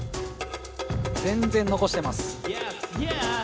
全然残してます。